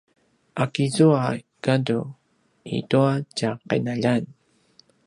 a kizua gadu i tua tja qinaljan?